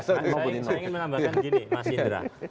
saya ingin menambahkan gini mas indra